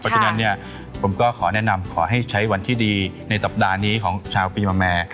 เพราะฉะนั้นเนี่ยผมก็ขอแนะนำขอให้ใช้วันที่ดีในสัปดาห์นี้ของชาวปีมาแม่